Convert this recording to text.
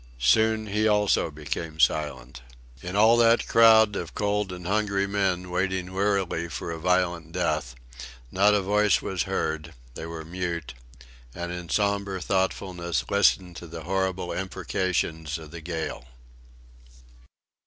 Soon he also became silent. In all that crowd of cold and hungry men, waiting wearily for a violent death, not a voice was heard; they were mute, and in sombre thoughtfulness listened to the horrible imprecations of the gale.